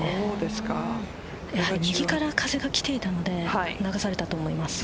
右から風がきていたので流されたと思います。